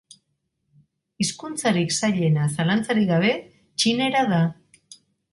Hizkuntzarik zailena zalantzarik gabe Txinera da.